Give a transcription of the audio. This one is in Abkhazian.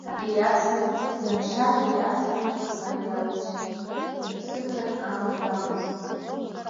Ианшагьы иацнаҵон ари аус, еихсыӷьрак амаӡамызт.